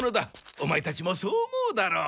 オマエたちもそう思うだろう？